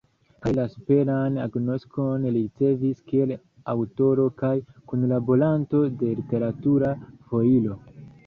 Kaj la superan agnoskon li ricevis kiel aŭtoro kaj kunlaboranto de Literatura foiro.